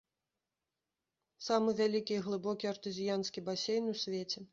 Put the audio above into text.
Самы вялікі і глыбокі артэзіянскі басейн у свеце.